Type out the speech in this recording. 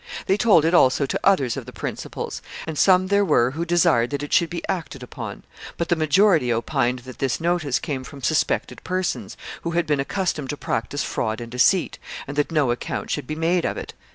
They told it also to others of the principals; and some there were who desired that it should be acted upon; but the majority opined that this notice came from suspected persons, who had been accustomed to practise fraud and deceit, and that no account should be made of it."